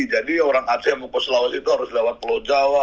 jadi orang asia mumpung sulawesi itu harus lewat pulau jawa